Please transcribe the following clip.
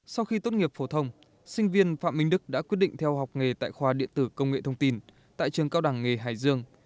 sau khi tốt nghiệp phổ thông sinh viên phạm minh đức đã quyết định theo học nghề tại khoa điện tử công nghệ thông tin tại trường cao đẳng nghề hải dương